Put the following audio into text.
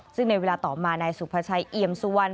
ซึ่งในเวลาต่อมานายสุภาชัยเอี่ยมสุวรรณ